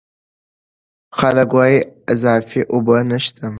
خلک وايي اضافي اوبه نشته.